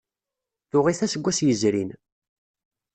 Tuɣ-it aseggas yezrin.